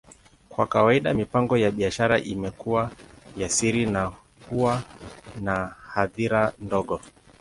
Kwa kawaida, mipango ya biashara imekuwa ya siri na huwa na hadhira ndogo.